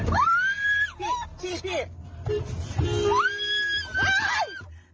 พี่พี่พี่